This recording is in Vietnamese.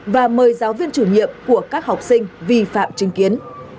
và mời giáo viên chủ nhiệm của các học sinh vi phạm chứng kiến